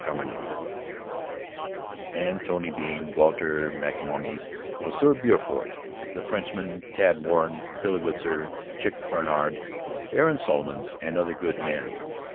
Carmeau, and Tony Bean, Walter MacMonnies, M. Beaufort the Frenchman, Tad Warren, Billy Witzer, Chick Bannard, Aaron Solomons and other good men.